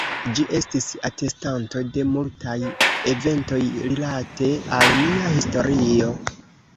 Ĝi estis atestanto de multaj eventoj, rilate al nia historio.